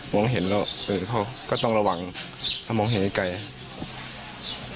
เห็นแล้วเออเขาก็ต้องระวังถ้ามองเห็นไกล